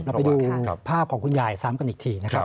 ไปดูภาพของคุณยายซ้ำกันอีกทีนะครับ